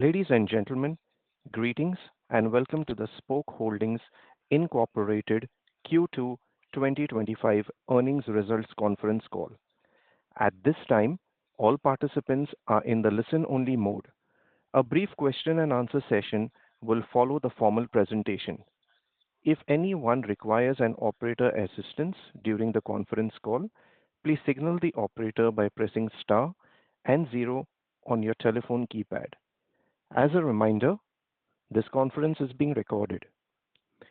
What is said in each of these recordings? Ladies and gentlemen, greetings and welcome to the Spok Holdings, Inc. Q2 2025 Earnings Results Conference Call. At this time, all participants are in the listen-only mode. A brief question-and-answer session will follow the formal presentation. If anyone requires operator assistance during the conference call, please signal the operator by pressing star and zero on your telephone keypad. As a reminder, this conference is being recorded.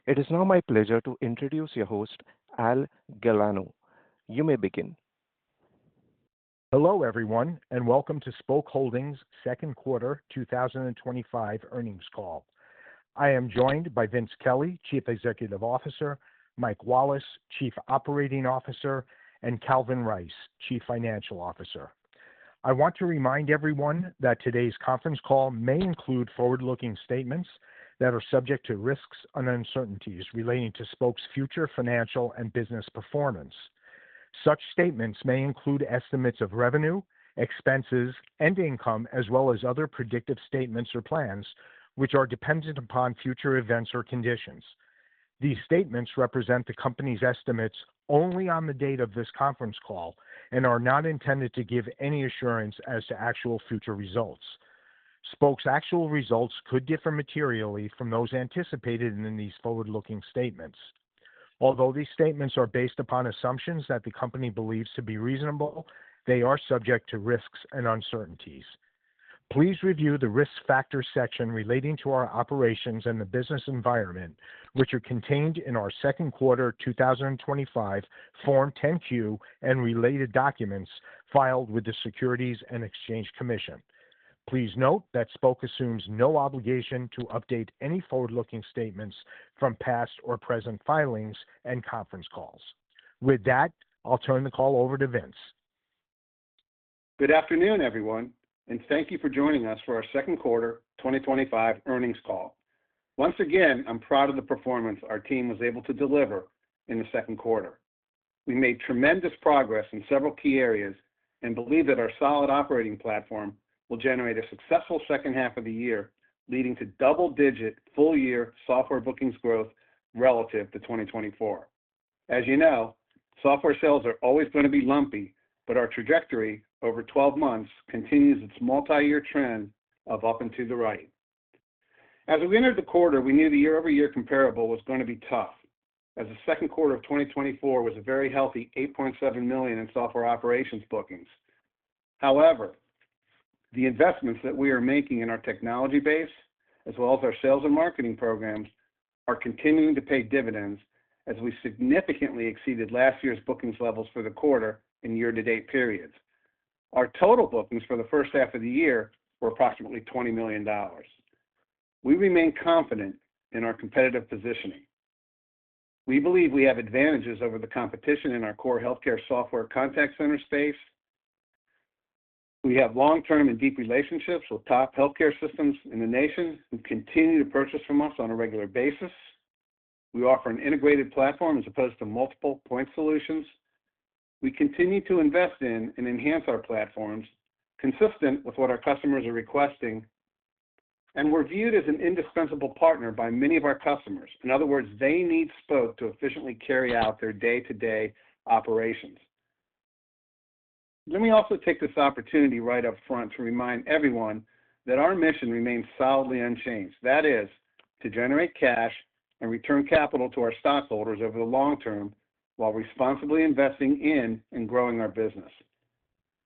It is now my pleasure to introduce your host, Al Galgano. You may begin. Hello, everyone, and welcome to Spok Holdings' second quarter 2025 earnings call. I am joined by Vince Kelly, Chief Executive Officer, Michael Wallace, Chief Operating Officer, and Calvin Rice, Chief Financial Officer. I want to remind everyone that today's conference call may include forward-looking statements that are subject to risks and uncertainties relating to Spok's future financial and business performance. Such statements may include estimates of revenue, expenses, and income, as well as other predictive statements or plans which are dependent upon future events or conditions. These statements represent the company's estimates only on the date of this conference call and are not intended to give any assurance as to actual future results. Spok's actual results could differ materially from those anticipated in these forward-looking statements. Although these statements are based upon assumptions that the company believes to be reasonable, they are subject to risks and uncertainties. Please review the risk factors section relating to our operations and the business environment, which are contained in our second quarter 2025 Form 10-Q and related documents filed with the Securities and Exchange Commission. Please note that Spok assumes no obligation to update any forward-looking statements from past or present filings and conference calls. With that, I'll turn the call over to Vince. Good afternoon, everyone, and thank you for joining us for our second quarter 2025 earnings call. Once again, I'm proud of the performance our team was able to deliver in the second quarter. We made tremendous progress in several key areas and believe that our solid operating platform will generate a successful second half of the year, leading to double-digit full-year software bookings growth relative to 2024. As you know, software sales are always going to be lumpy, but our trajectory over 12 months continues its multi-year trend of up and to the right. As we entered the quarter, we knew the year-over-year comparable was going to be tough, as the second quarter of 2024 was a very healthy $8.7 million in software operations bookings. However, the investments that we are making in our technology base, as well as our sales and marketing programs, are continuing to pay dividends as we significantly exceeded last year's bookings levels for the quarter and year-to-date periods. Our total bookings for the first half of the year were approximately $20 million. We remain confident in our competitive positioning. We believe we have advantages over the competition in our core healthcare software contact center space. We have long-term and deep relationships with top healthcare systems in the nation who continue to purchase from us on a regular basis. We offer an integrated platform as opposed to multiple point solutions. We continue to invest in and enhance our platforms, consistent with what our customers are requesting, and we're viewed as an indispensable partner by many of our customers. In other words, they need Spok to efficiently carry out their day-to-day operations. Let me also take this opportunity right up front to remind everyone that our mission remains solidly unchanged. That is, to generate cash and return capital to our stockholders over the long term while responsibly investing in and growing our business.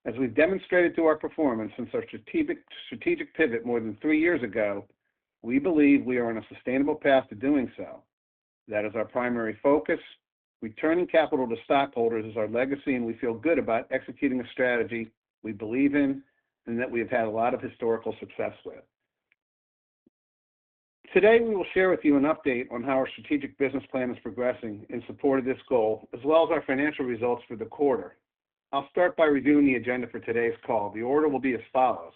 As we've demonstrated through our performance since our strategic pivot more than three years ago, we believe we are on a sustainable path to doing so. That is our primary focus. Returning capital to stockholders is our legacy, and we feel good about executing a strategy we believe in and that we have had a lot of historical success with. Today, we will share with you an update on how our strategic business plan is progressing in support of this goal, as well as our financial results for the quarter. I'll start by reviewing the agenda for today's call. The order will be as follows.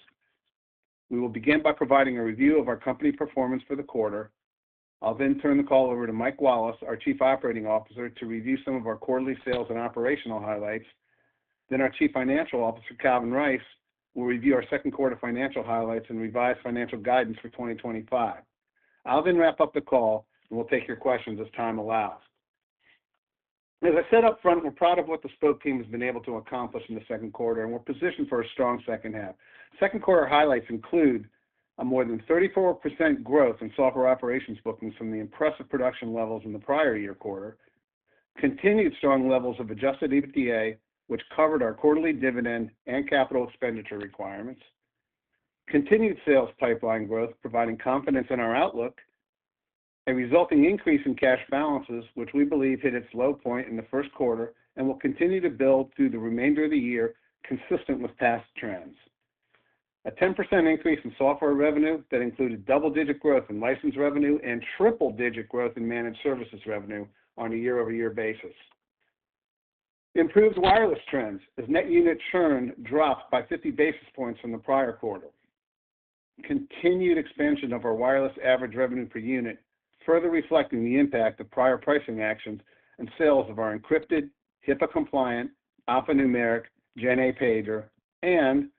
We will begin by providing a review of our company performance for the quarter. I'll then turn the call over to Michael Wallace, our Chief Operating Officer, to review some of our quarterly sales and operational highlights. Then our Chief Financial Officer, Calvin Rice, will review our second quarter financial highlights and revise financial guidance for 2025. I'll then wrap up the call and will take your questions as time allows. As I said up front, we're proud of what the Spok team has been able to accomplish in the second quarter, and we're positioned for a strong second half. Second quarter highlights include a more than 34% growth in software operations bookings from the impressive production levels in the prior year quarter, continued strong levels of adjusted EBITDA, which covered our quarterly dividend and capital expenditure requirements, continued sales pipeline growth, providing confidence in our outlook, a resulting increase in cash balances, which we believe hit its low point in the first quarter and will continue to build through the remainder of the year, consistent with past trends. A 10% increase in software revenue that included double-digit growth in license revenue and triple-digit growth in managed services revenue on a year-over-year basis. Improved wireless trends, as net unit churn dropped by 50 basis points from the prior quarter. Continued expansion of our wireless average revenue per unit, further reflecting the impact of prior pricing actions and sales of our encrypted, HIPAA-compliant, alphanumeric, Gen A pager, and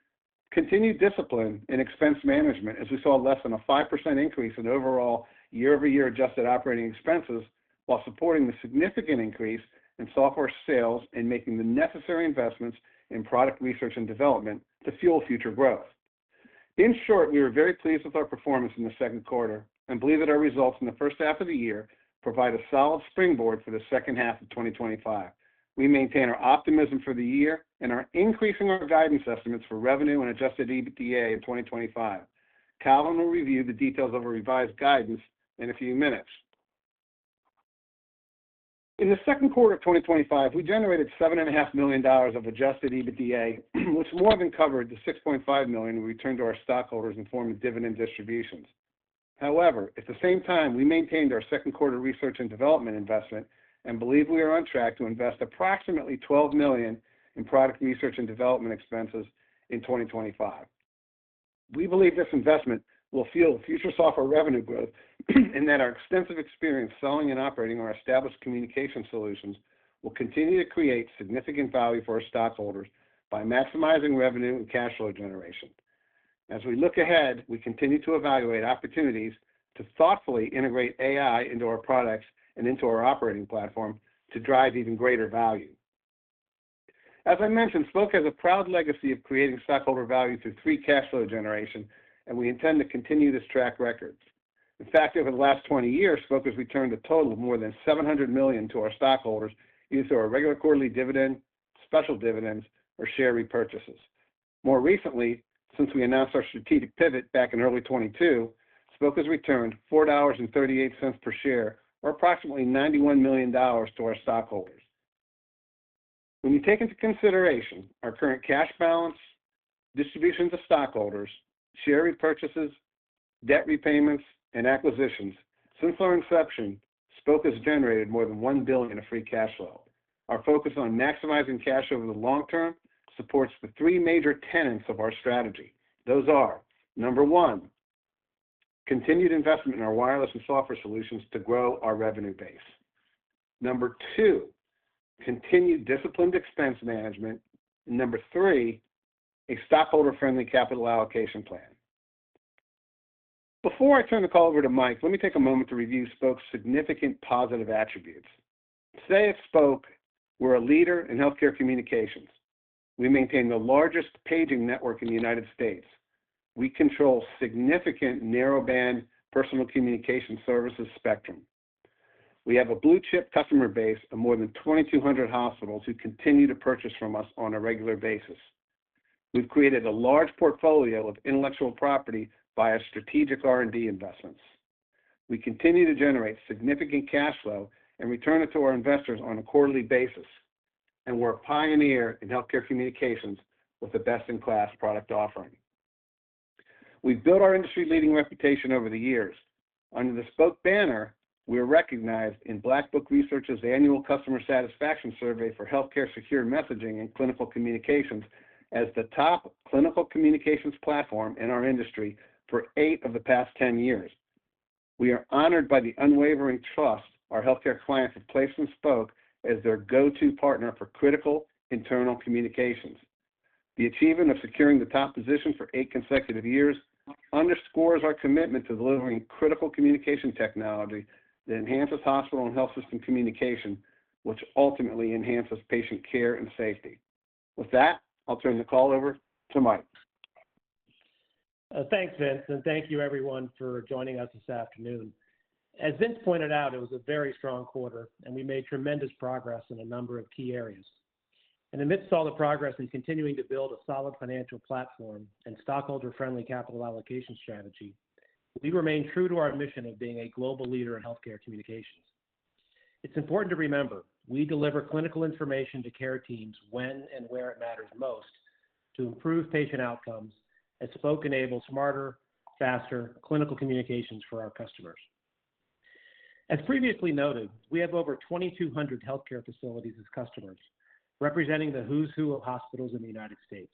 continued discipline in expense management, as we saw less than a 5% increase in overall year-over-year adjusted operating expenses while supporting the significant increase in software sales and making the necessary investments in product research and development to fuel future growth. In short, we are very pleased with our performance in the second quarter and believe that our results in the first half of the year provide a solid springboard for the second half of 2025. We maintain our optimism for the year and are increasing our guidance estimates for revenue and adjusted EBITDA in 2025. Al Galgano will review the details of our revised guidance in a few minutes. In the second quarter of 2025, we generated $7.5 million of adjusted EBITDA, which more than covered the $6.5 million we returned to our stockholders in form of dividend distributions. However, at the same time, we maintained our second quarter research and development investment and believe we are on track to invest approximately $12 million in product research and development expenses in 2025. We believe this investment will fuel future software revenue growth and that our extensive experience selling and operating our established communication solutions will continue to create significant value for our stockholders by maximizing revenue and cash flow generation. As we look ahead, we continue to evaluate opportunities to thoughtfully integrate AI into our products and into our operating platform to drive even greater value. As I mentioned, Spok has a proud legacy of creating stockholder value through three cash flow generations, and we intend to continue this track record. In fact, over the last 20 years, Spok has returned a total of more than $700 million to our stockholders either through our regular quarterly dividend, special dividends, or share repurchases. More recently, since we announced our strategic pivot back in early 2022, Spok has returned $4.38 per share, or approximately $91 million to our stockholders. When you take into consideration our current cash balance, distributions to stockholders, share repurchases, debt repayments, and acquisitions, since our inception, Spok has generated more than $1 billion of free cash flow. Our focus on maximizing cash over the long term supports the three major tenets of our strategy. Those are: number one, continued investment in our wireless and software solutions to grow our revenue base. Number two, continued disciplined expense management. Number three, a stockholder-friendly capital allocation plan. Before I turn the call over to Mike, let me take a moment to review Spok's significant positive attributes. Today, at Spok, we're a leader in healthcare communications. We maintain the largest paging network in the United States. We control a significant narrowband personal communication services spectrum. We have a blue-chip customer base of more than 2,200 hospitals who continue to purchase from us on a regular basis. We've created a large portfolio of intellectual property via strategic R&D investments. We continue to generate significant cash flow and return it to our investors on a quarterly basis. We are a pioneer in healthcare communications with a best-in-class product offering. We have built our industry-leading reputation over the years. Under the Spok banner, we are recognized in Black Book Research's annual customer satisfaction survey for healthcare secure messaging and clinical communications as the top clinical communications platform in our industry for eight of the past 10 years. We are honored by the unwavering trust our healthcare clients have placed in Spok as their go-to partner for critical internal communications. The achievement of securing the top position for eight consecutive years underscores our commitment to delivering critical communication technology that enhances hospital and health system communication, which ultimately enhances patient care and safety. With that, I'll turn the call over to Mike. Thanks, Vince, and thank you, everyone, for joining us this afternoon. As Vince pointed out, it was a very strong quarter, and we made tremendous progress in a number of key areas. Amidst all the progress in continuing to build a solid financial platform and stockholder-friendly capital allocation strategy, we remain true to our mission of being a global leader in healthcare communications. It's important to remember we deliver clinical information to care teams when and where it matters most to improve patient outcomes, as Spok enables smarter, faster clinical communications for our customers. As previously noted, we have over 2,200 healthcare facilities as customers, representing the who's who of hospitals in the United States.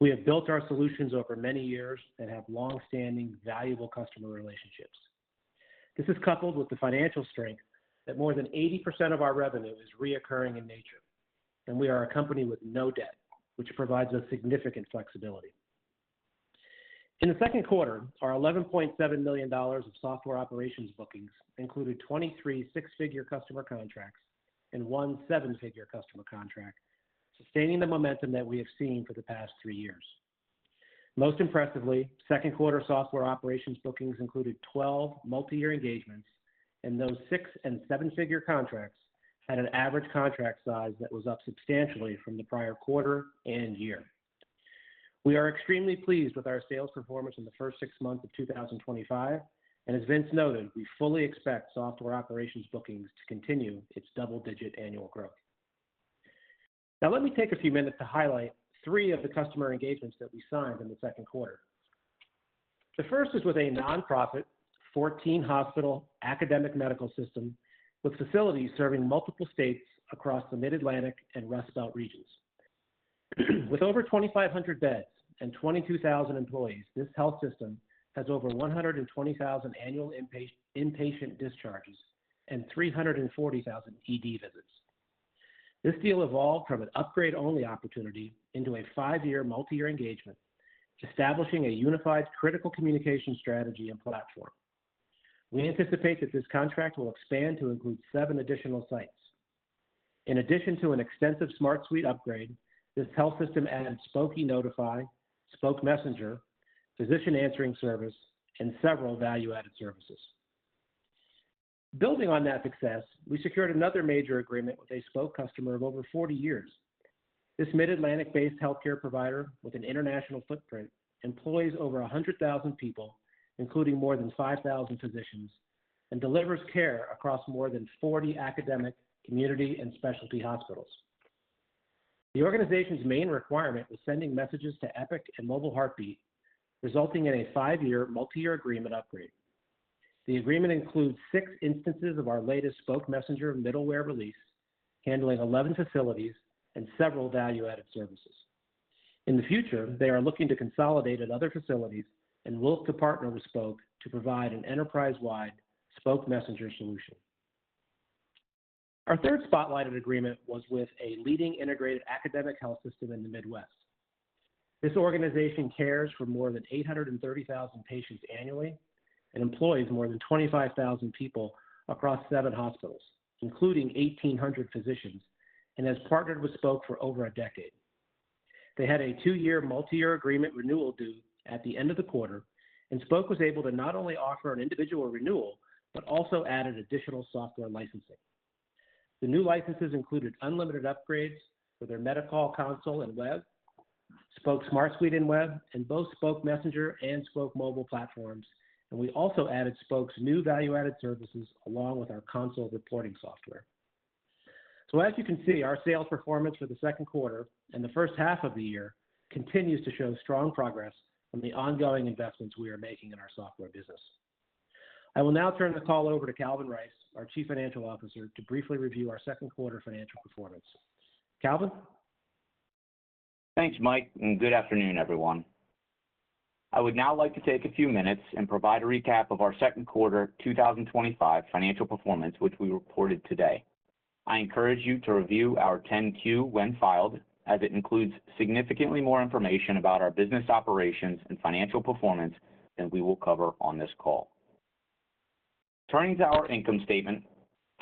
We have built our solutions over many years and have longstanding valuable customer relationships. This is coupled with the financial strength that more than 80% of our revenue is recurring in nature, and we are a company with no debt, which provides us significant flexibility. In the second quarter, our $11.7 million of software operations bookings included 23 six-figure customer contracts and one seven-figure customer contract, sustaining the momentum that we have seen for the past three years. Most impressively, second quarter software operations bookings included 12 multi-year engagements, and those six and seven-figure contracts had an average contract size that was up substantially from the prior quarter and year. We are extremely pleased with our sales performance in the first six months of 2025, and as Vince noted, we fully expect software operations bookings to continue its double-digit annual growth. Now, let me take a few minutes to highlight three of the customer engagements that we signed in the second quarter. The first is with a nonprofit 14-hospital academic medical system with facilities serving multiple states across the Mid-Atlantic and West Belt regions. With over 2,500 beds and 22,000 employees, this health system has over 120,000 annual inpatient discharges and 340,000 ED visits. This deal evolved from an upgrade-only opportunity into a five-year multi-year engagement, establishing a unified critical communication strategy and platform. We anticipate that this contract will expand to include seven additional sites. In addition to an extensive smart suite upgrade, this health system added Spok Notify, Spok Messenger, physician answering service, and several value-added services. Building on that success, we secured another major agreement with a Spok customer of over 40 years. This Mid-Atlantic-based healthcare provider with an international footprint employs over 100,000 people, including more than 5,000 physicians, and delivers care across more than 40 academic, community, and specialty hospitals. The organization's main requirement was sending messages to Epic and Mobile Heartbeat, resulting in a five-year multi-year agreement upgrade. The agreement includes six instances of our latest Spok Messenger middleware release, handling 11 facilities and several value-added services. In the future, they are looking to consolidate at other facilities and look to partner with Spok to provide an enterprise-wide Spok Messenger solution. Our third spotlighted agreement was with a leading integrated academic health system in the Midwest. This organization cares for more than 830,000 patients annually and employs more than 25,000 people across seven hospitals, including 1,800 physicians, and has partnered with Spok for over a decade. They had a two-year multi-year agreement renewal due at the end of the quarter, and Spok was able to not only offer an individual renewal but also added additional software licensing. The new licenses included unlimited upgrades for their MediCall console and web, Spok Smart Suite and web, and both Spok Messenger and Spok Mobile platforms. We also added Spok's new value-added services along with our console reporting software. As you can see, our sales performance for the second quarter and the first half of the year continues to show strong progress from the ongoing investments we are making in our software business. I will now turn the call over to Calvin, our Chief Financial Officer, to briefly review our second quarter financial performance. Calvin? Thanks, Mike, and good afternoon, everyone. I would now like to take a few minutes and provide a recap of our second quarter 2025 financial performance, which we reported today. I encourage you to review our 10-Q when filed, as it includes significantly more information about our business operations and financial performance than we will cover on this call. Turning to our income statement,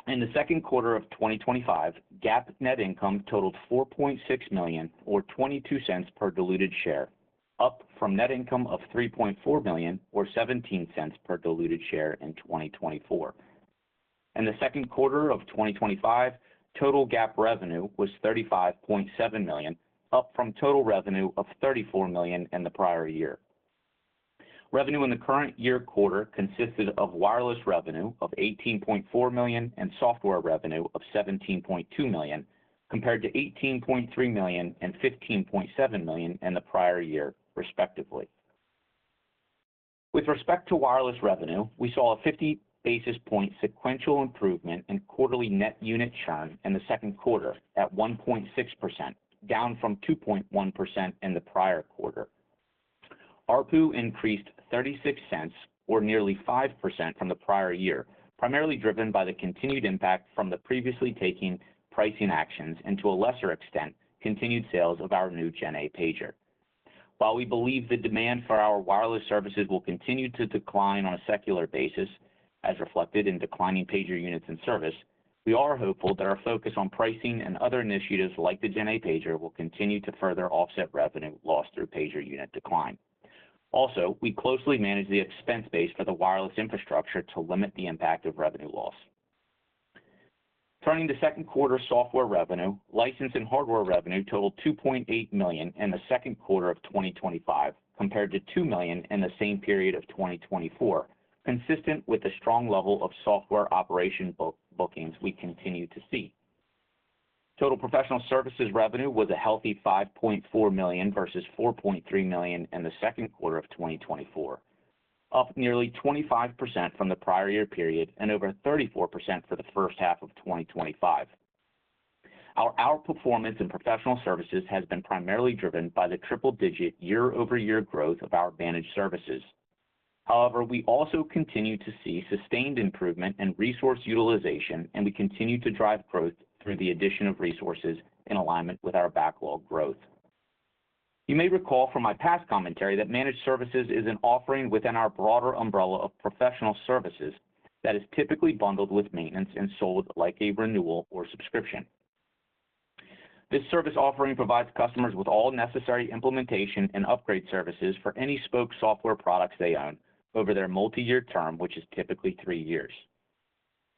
in the second quarter of 2025, GAAP net income totaled $4.6 million, or $0.22 per diluted share, up from net income of $3.4 million, or $0.17 per diluted share in 2024. In the second quarter of 2025, total GAAP revenue was $35.7 million, up from total revenue of $34 million in the prior year. Revenue in the current year quarter consisted of wireless revenue of $18.4 million and software revenue of $17.2 million, compared to $18.3 million and $15.7 million in the prior year, respectively. With respect to wireless revenue, we saw a 50 basis point sequential improvement in quarterly net unit churn in the second quarter at 1.6%, down from 2.1% in the prior quarter. ARPU increased $0.36, or nearly 5% from the prior year, primarily driven by the continued impact from the previously taken pricing actions and, to a lesser extent, continued sales of our new Gen A pager. While we believe the demand for our wireless services will continue to decline on a secular basis, as reflected in declining pager units and service, we are hopeful that our focus on pricing and other initiatives like the Gen A pager will continue to further offset revenue lost through pager unit decline. Also, we closely manage the expense base for the wireless infrastructure to limit the impact of revenue loss. Turning to second quarter software revenue, license and hardware revenue totaled $2.8 million in the second quarter of 2025, compared to $2 million in the same period of 2024, consistent with the strong level of software operations bookings we continue to see. Total professional services revenue was a healthy $5.4 million versus $4.3 million in the second quarter of 2024, up nearly 25% from the prior year period and over 34% for the first half of 2025. Our outperformance in professional services has been primarily driven by the triple-digit year-over-year growth of our managed services. However, we also continue to see sustained improvement in resource utilization, and we continue to drive growth through the addition of resources in alignment with our backlog growth. You may recall from my past commentary that managed services is an offering within our broader umbrella of professional services that is typically bundled with maintenance and sold like a renewal or subscription. This service offering provides customers with all necessary implementation and upgrade services for any Spok software products they own over their multi-year term, which is typically three years.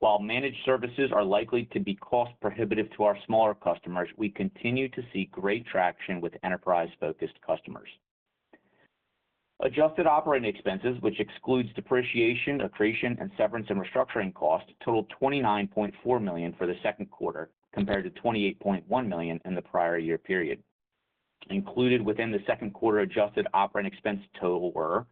While managed services are likely to be cost-prohibitive to our smaller customers, we continue to see great traction with enterprise-focused customers. Adjusted operating expenses, which excludes depreciation, accretion, and severance and restructuring costs, totaled $29.4 million for the second quarter, compared to $28.1 million in the prior year period. Included within the second quarter adjusted operating expense total were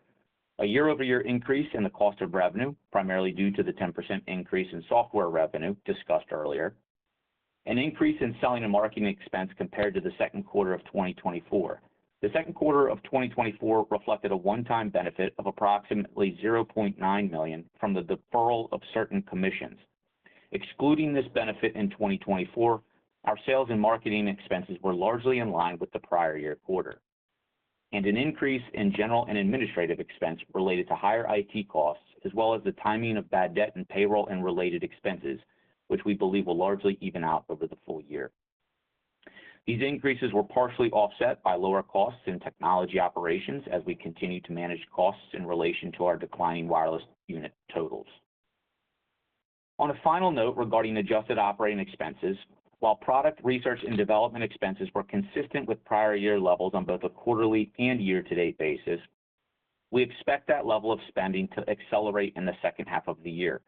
a year-over-year increase in the cost of revenue, primarily due to the 10% increase in software revenue discussed earlier, and an increase in selling and marketing expense compared to the second quarter of 2024. The second quarter of 2024 reflected a one-time benefit of approximately $0.9 million from the deferral of certain commissions. Excluding this benefit in 2024, our sales and marketing expenses were largely in line with the prior year quarter, and an increase in general and administrative expense related to higher IT costs, as well as the timing of bad debt and payroll and related expenses, which we believe will largely even out over the full year. These increases were partially offset by lower costs in technology operations as we continue to manage costs in relation to our declining wireless unit totals. On a final note regarding adjusted operating expenses, while product research and development expenses were consistent with prior year levels on both a quarterly and year-to-date basis, we expect that level of spending to accelerate in the second half of the year.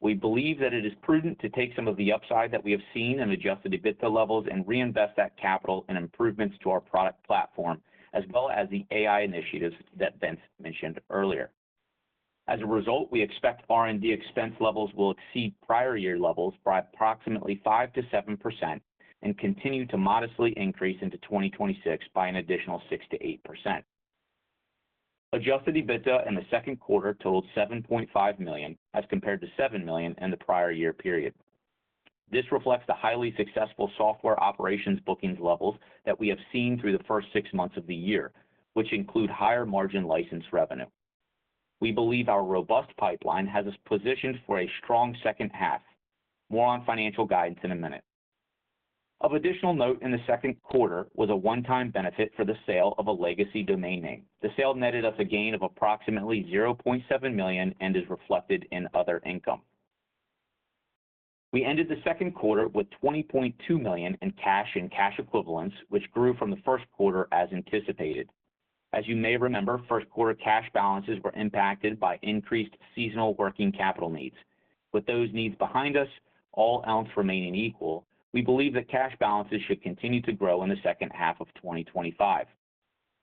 We believe that it is prudent to take some of the upside that we have seen in adjusted EBITDA levels and reinvest that capital in improvements to our product platform, as well as the AI initiatives that Vince mentioned earlier. As a result, we expect R&D expense levels will exceed prior year levels by approximately 5%-7% and continue to modestly increase into 2026 by an additional 6%-8%. Adjusted EBITDA in the second quarter totaled $7.5 million, as compared to $7 million in the prior year period. This reflects the highly successful software operations bookings levels that we have seen through the first six months of the year, which include higher margin license revenue. We believe our robust pipeline has us positioned for a strong second half. More on financial guidance in a minute. Of additional note in the second quarter was a one-time benefit for the sale of a legacy domain name. The sale netted us a gain of approximately $0.7 million and is reflected in other income. We ended the second quarter with $20.2 million in cash and cash equivalents, which grew from the first quarter as anticipated. As you may remember, first quarter cash balances were impacted by increased seasonal working capital needs. With those needs behind us, all else remaining equal, we believe the cash balances should continue to grow in the second half of 2025.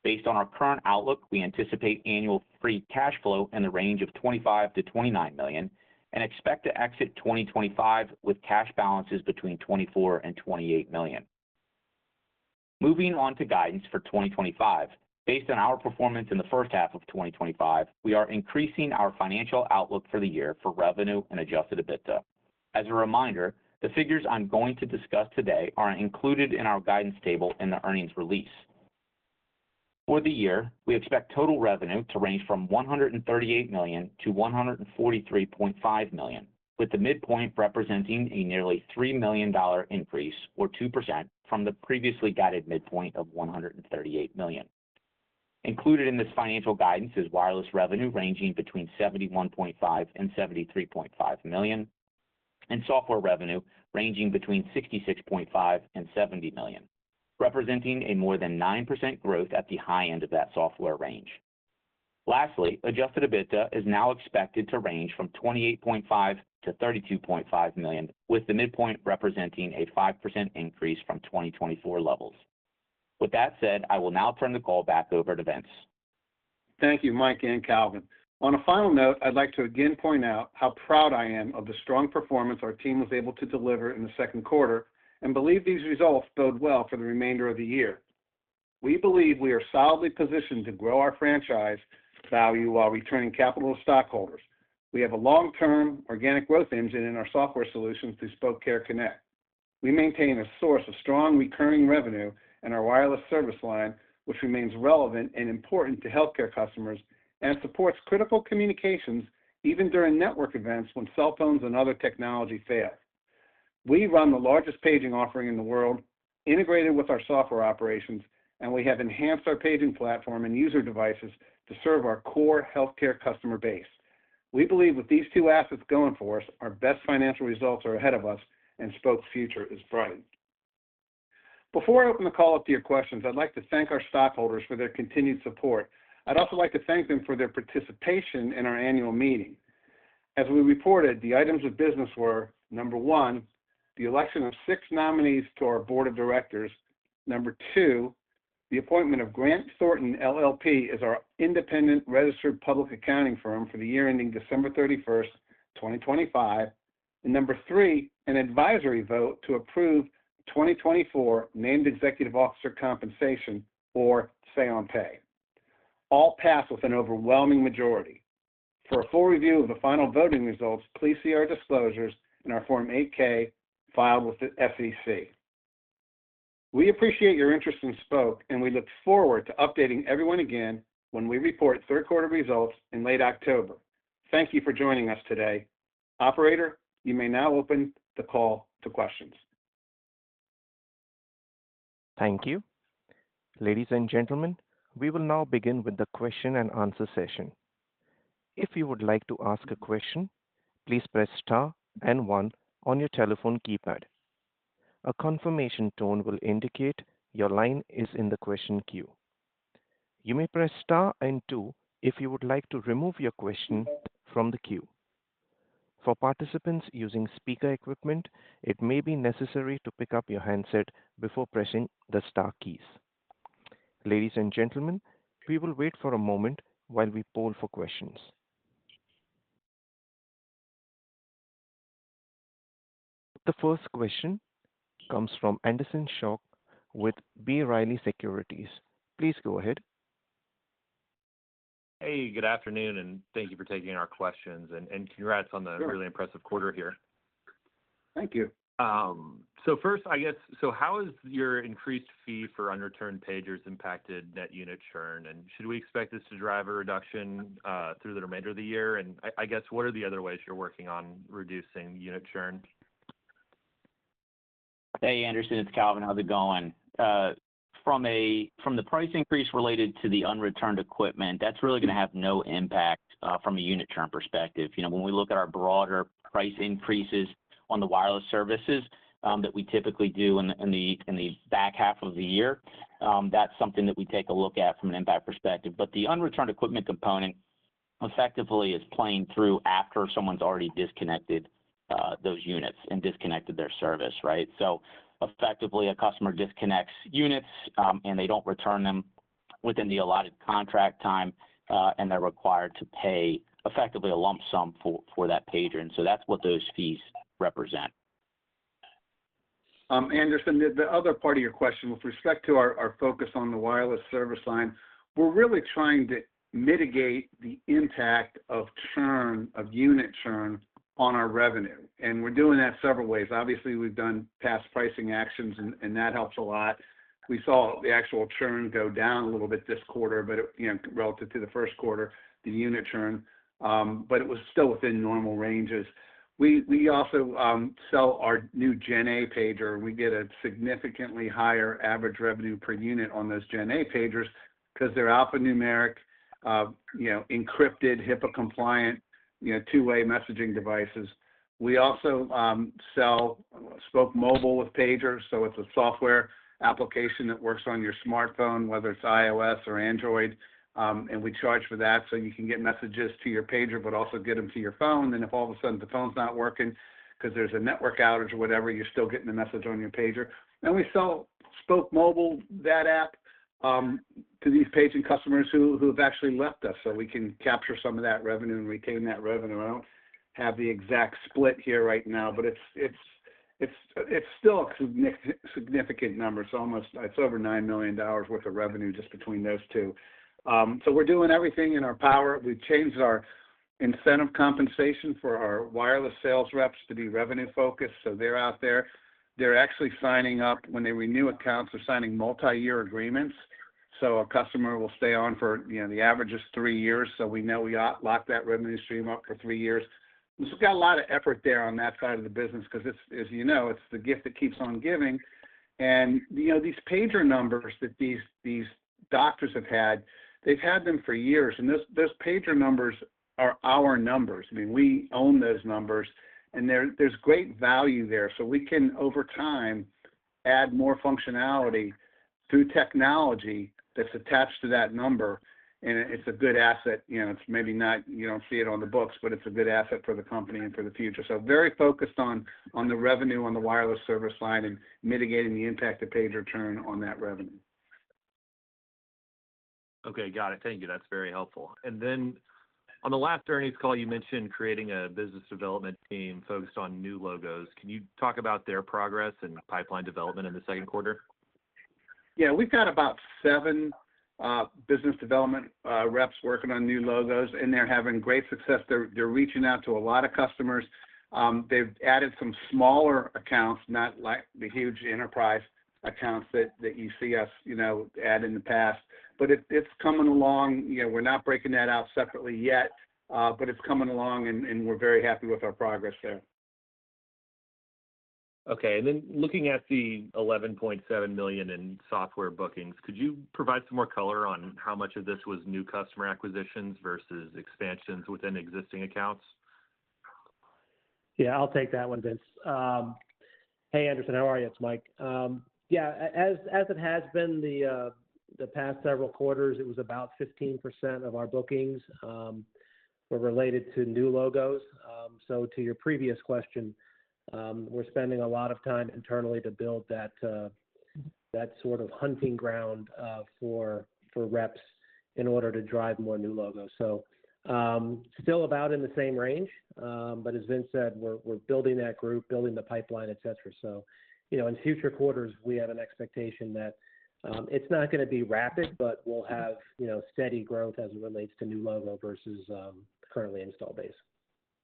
Based on our current outlook, we anticipate annual free cash flow in the range of $25 million-$29 million and expect to exit 2025 with cash balances between $24 million and $28 million. Moving on to guidance for 2025, based on our performance in the first half of 2025, we are increasing our financial outlook for the year for revenue and adjusted EBITDA. As a reminder, the figures I'm going to discuss today are included in our guidance table in the earnings release. For the year, we expect total revenue to range from $138 million-$143.5 million, with the midpoint representing a nearly $3 million increase, or 2% from the previously guided midpoint of $138 million. Included in this financial guidance is wireless revenue ranging between $71.5 million and $73.5 million, and software revenue ranging between $66.5 million and $70 million, representing a more than 9% growth at the high end of that software range. Lastly, adjusted EBITDA is now expected to range from $28.5 million-$32.5 million, with the midpoint representing a 5% increase from 2024 levels. With that said, I will now turn the call back over to Vince. Thank you, Mike and Calvin. On a final note, I'd like to again point out how proud I am of the strong performance our team was able to deliver in the second quarter and believe these results bode well for the remainder of the year. We believe we are solidly positioned to grow our franchise value while returning capital to stockholders. We have a long-term organic growth engine in our software solutions through Spok Care Connect. We maintain a source of strong recurring revenue in our wireless service line, which remains relevant and important to healthcare customers and supports critical communications even during network events when cell phones and other technology fail. We run the largest paging offering in the world integrated with our software operations, and we have enhanced our paging platform and user devices to serve our core healthcare customer base. We believe with these two assets going for us, our best financial results are ahead of us and Spok's future is bright. Before I open the call up to your questions, I'd like to thank our stockholders for their continued support. I'd also like to thank them for their participation in our annual meeting. As we reported, the items of business were number one, the election of six nominees to our board of directors, number two, the appointment of Grant Thornton LLP as our independent registered public accounting firm for the year ending December 31, 2025, and number three, an advisory vote to approve 2024 named executive officer compensation or say-on-pay, all passed with an overwhelming majority. For a full review of the final voting results, please see our disclosures in our Form 8-K filed with the SEC. We appreciate your interest in Spok, and we look forward to updating everyone again when we report third quarter results in late October. Thank you for joining us today. Operator, you may now open the call to questions. Thank you. Ladies and gentlemen, we will now begin with the question and answer session. If you would like to ask a question, please press star and one on your telephone keypad. A confirmation tone will indicate your line is in the question queue. You may press star and two if you would like to remove your question from the queue. For participants using speaker equipment, it may be necessary to pick up your handset before pressing the star keys. Ladies and gentlemen, we will wait for a moment while we poll for questions. The first question comes from Anderson Schock with B. Riley Securities. Please go ahead. Hey, good afternoon, and thank you for taking our questions, and congrats on the really impressive quarter here. Thank you. How has your increased fee for unreturned pagers impacted net unit churn, and should we expect this to drive a reduction through the remainder of the year? What are the other ways you're working on reducing unit churn? Hey, Anderson, it's Calvin. How's it going? From the price increase related to the unreturned equipment, that's really going to have no impact from a unit churn perspective. When we look at our broader price increases on the wireless services that we typically do in the back half of the year, that's something that we take a look at from an impact perspective. The unreturned equipment component effectively is playing through after someone's already disconnected those units and disconnected their service, right? Effectively, a customer disconnects units, and they don't return them within the allotted contract time, and they're required to pay effectively a lump sum for that pager. That's what those fees represent. Anderson, the other part of your question with respect to our focus on the wireless service line, we're really trying to mitigate the impact of churn, of unit churn on our revenue, and we're doing that several ways. Obviously, we've done past pricing actions, and that helps a lot. We saw the actual churn go down a little bit this quarter, relative to the first quarter, the unit churn, but it was still within normal ranges. We also sell our new Gen A pager. We get a significantly higher average revenue per unit on those Gen A pagers because they're alphanumeric, encrypted, HIPAA-compliant, two-way messaging devices. We also sell Spok Mobile with pagers. It's a software application that works on your smartphone, whether it's iOS or Android, and we charge for that. You can get messages to your pager, but also get them to your phone. If all of a sudden the phone's not working because there's a network outage or whatever, you're still getting the message on your pager. We sell Spok Mobile, ThatApp, to these paging customers who have actually left us so we can capture some of that revenue and retain that revenue. I don't have the exact split here right now, but it's still a significant number. It's over $9 million worth of revenue just between those two. We're doing everything in our power. We've changed our incentive compensation for our wireless sales reps to be revenue-focused. They're actually signing up when they renew accounts or signing multi-year agreements. A customer will stay on for, the average is three years. We know we lock that revenue stream up for three years. We've got a lot of effort there on that side of the business because it's the gift that keeps on giving. These pager numbers that these doctors have had, they've had them for years, and those pager numbers are our numbers. We own those numbers, and there's great value there. Over time, we can add more functionality through technology that's attached to that number, and it's a good asset. Maybe you don't see it on the books, but it's a good asset for the company and for the future. We're very focused on the revenue on the wireless service line and mitigating the impact of pager churn on that revenue. Okay, got it. Thank you. That's very helpful. On the last earnings call, you mentioned creating a business development team focused on new logos. Can you talk about their progress and pipeline development in the second quarter? Yeah, we've got about seven business development reps working on new logos, and they're having great success. They're reaching out to a lot of customers. They've added some smaller accounts, not like the huge enterprise accounts that you see us add in the past, but it's coming along. We're not breaking that out separately yet, but it's coming along, and we're very happy with our progress there. Okay, looking at the $11.7 million in software bookings, could you provide some more color on how much of this was new customer acquisitions versus expansions within existing accounts? Yeah, I'll take that one, Vince. Hey, Anderson, how are you? It's Mike. As it has been the past several quarters, it was about 15% of our bookings were related to new logos. To your previous question, we're spending a lot of time internally to build that sort of hunting ground for reps in order to drive more new logos. Still about in the same range, but as Vince said, we're building that group, building the pipeline, et cetera. In future quarters, we have an expectation that it's not going to be rapid, but we'll have steady growth as it relates to new logo versus currently installed base.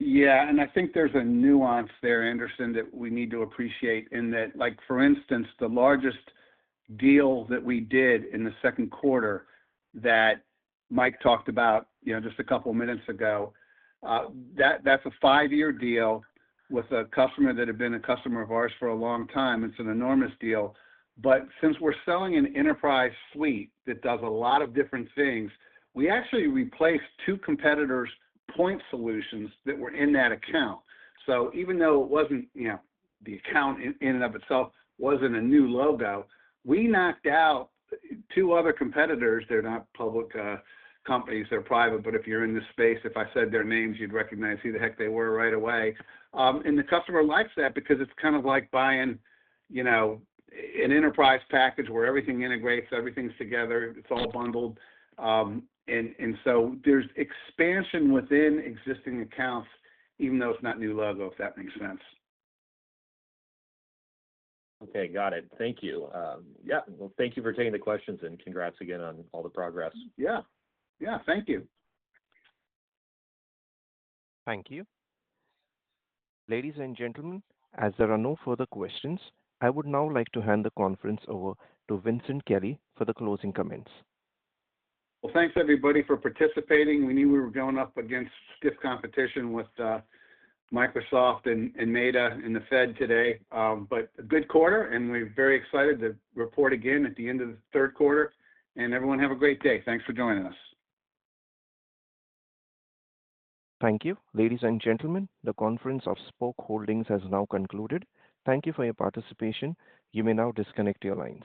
I think there's a nuance there, Anderson, that we need to appreciate in that, like, for instance, the largest deal that we did in the second quarter that Mike talked about just a couple of minutes ago, that's a five-year deal with a customer that had been a customer of ours for a long time. It's an enormous deal. Since we're selling an enterprise suite that does a lot of different things, we actually replaced two competitors' point solutions that were in that account. Even though the account in and of itself wasn't a new logo, we knocked out two other competitors. They're not public companies, they're private. If you're in this space, if I said their names, you'd recognize who the heck they were right away. The customer likes that because it's kind of like buying an enterprise package where everything integrates, everything's together, it's all bundled. There's expansion within existing accounts, even though it's not a new logo, if that makes sense. Okay, got it. Thank you. Thank you for taking the questions and congrats again on all the progress. Yeah, thank you. Thank you. Ladies and gentlemen, as there are no further questions, I would now like to hand the conference over to Vincent Kelly for the closing comments. Thank you, everybody, for participating. We knew we were going up against stiff competition with Microsoft and Meta and the Fed today. A good quarter, and we're very excited to report again at the end of the third quarter. Everyone, have a great day. Thanks for joining us. Thank you. Ladies and gentlemen, the conference of Spok Holdings has now concluded. Thank you for your participation. You may now disconnect your lines.